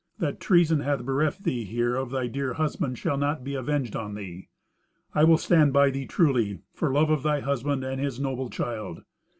That treason has bereft thee here of thy dear husband shall not be avenged on thee. I will stand by thee truly, for love of thy husband and his noble child.